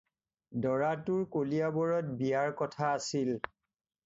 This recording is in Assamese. দৰাটোৰ কলিয়াবৰত বিয়াৰ কথা আছিল।